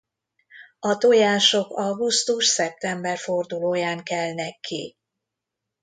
A tojások augusztus-szeptember fordulóján kelnek ki.